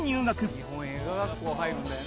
「日本映画学校入るんだよね」